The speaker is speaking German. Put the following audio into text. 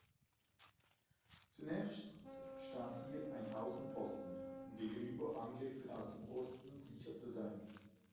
Zunächst stand hier ein Außenposten, um gegenüber Angriffen aus dem Osten sicher zu sein.